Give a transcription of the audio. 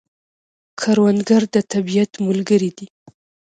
کروندګر د طبیعت ملګری دی